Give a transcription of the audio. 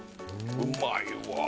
うまいわぁ。